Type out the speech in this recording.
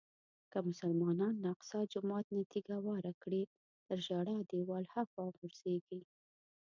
که مسلمانان له اقصی جومات نه تیږه واره کړي تر ژړا دیوال هاخوا غورځېږي.